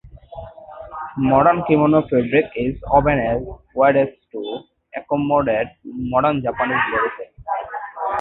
Modern kimono fabric is woven as wide as to accommodate modern Japanese body sizes.